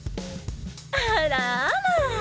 あらあら。